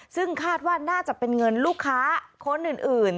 ซึ่งคาดว่าน่าจะเป็นเงินลูกค้าคนอื่น